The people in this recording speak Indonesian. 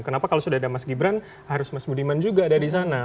kenapa kalau sudah ada mas gibran harus mas budiman juga ada di sana